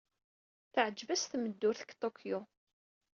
Teɛjeb-as tmeddurt deg Tokyo.